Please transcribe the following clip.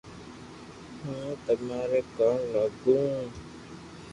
ھون تماري ڪاو لاگو